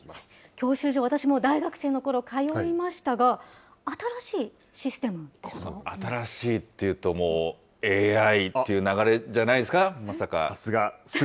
教習所、私も大学生のころ通いましたが、新しいっていうともう、ＡＩっていう流れじゃないですか、まさか。